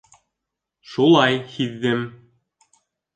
Шулай һиҙҙем.